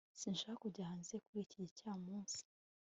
sinshaka kujya hanze kuri iki gicamunsi